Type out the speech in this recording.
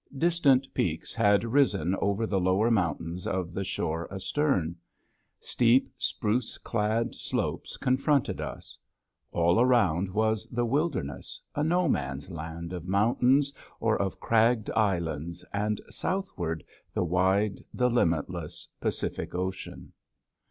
Distant peaks had risen over the lower mountains of the shore astern. Steep spruce clad slopes confronted us. All around was the wilderness, a no man's land of mountains or of cragged islands, and southward the wide, the limitless, Pacific Ocean.